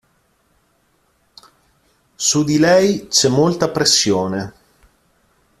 Su di lei c'è molta pressione.